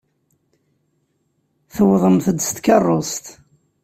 Tuwḍemt-d s tkeṛṛust.